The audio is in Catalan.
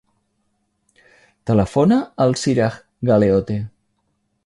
Telefona al Siraj Galeote.